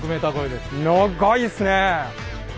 長いっすねえ！